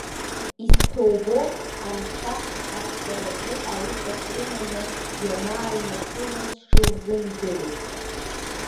Исҭоубоуп, амқьаҳ аԥҵәаразы ауха срыманы ианааҩнашыла сшылзымдырыз.